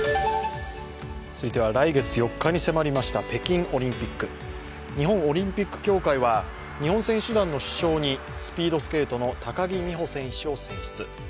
続いては来月４日に迫りました北京オリンピック日本オリンピック協会は、日本選手団の主将にスピードスケートの高木美帆選手を選出。